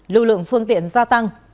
lưu lượng phương tiện gia tăng